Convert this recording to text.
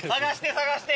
探して！